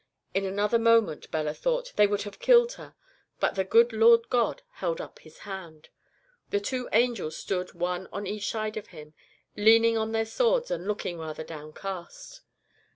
In another moment, Bella thought, they would have killed her. But the good Lord God held up His hand. The two angels stood one on each side of Him, leaning on their swords and looking rather downcast.